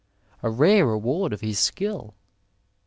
A rare reward of his skUl !